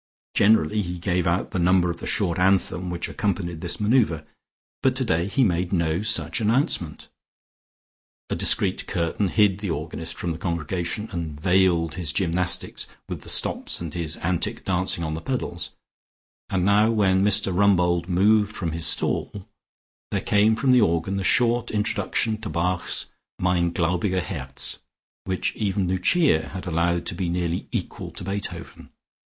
Generally he gave out the number of the short anthem which accompanied this manoeuvre, but today he made no such announcement. A discreet curtain hid the organist from the congregation, and veiled his gymnastics with the stops and his antic dancing on the pedals, and now when Mr Rumbold moved from his stall, there came from the organ the short introduction to Bach's "Mein Glaubige Herz," which even Lucia had allowed to be nearly "equal" to Beethoven.